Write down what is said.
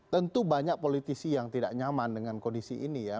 tentu banyak politisi yang tidak nyaman dengan kondisi ini ya